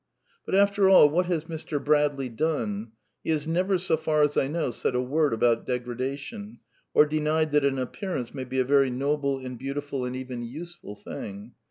But, after all, what has Mr. Bradley done? He has never, so far as I know, said a word about " degradation," or denied that an appearance may be a very noble and beau tiful and even useful thing.